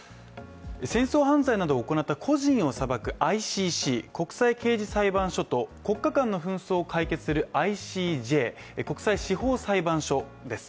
戦争犯罪などを行った個人を裁くＩＣＣ＝国際刑事裁判所と国家間の紛争を解決するＩＣＪ＝国際司法裁判所です。